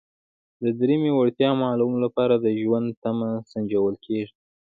د دریمې وړتیا معلومولو لپاره د ژوند تمه سنجول کیږي.